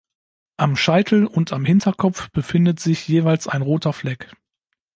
Am Scheitel und am Hinterkopf befindet sich jeweils ein roter Fleck.